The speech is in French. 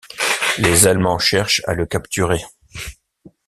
Les Allemands cherchent à le capturer.